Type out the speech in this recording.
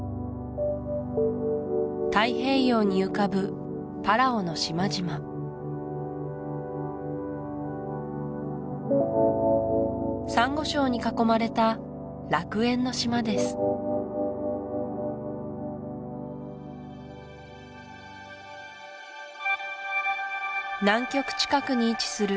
太平洋に浮かぶパラオの島々サンゴ礁に囲まれた楽園の島です